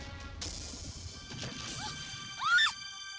kamu sedang mencari jalan keluar dari hutan